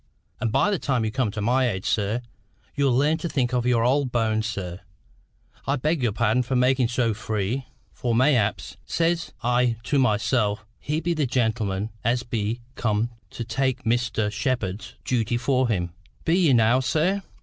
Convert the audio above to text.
And by the time you come to my age, sir, you'll learn to think of your old bones, sir. I beg your pardon for making so free. For mayhap, says I to myself, he be the gentleman as be come to take Mr. Shepherd's duty for him. Be ye now, sir?"